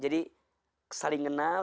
jadi saling kenal